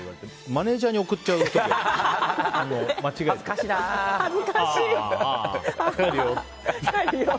マネージャーに送っちゃう時がある。